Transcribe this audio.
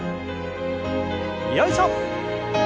よいしょ！